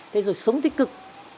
thế rồi sống tích cực